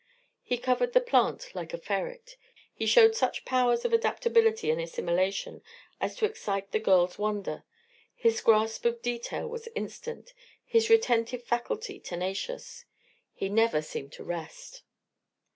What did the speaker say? He covered the plant like a ferret; he showed such powers of adaptability and assimilation as to excite the girl's wonder; his grasp of detail was instant; his retentive faculty tenacious; he never seemed to rest.